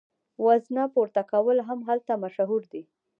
وزنه پورته کول هم هلته مشهور دي.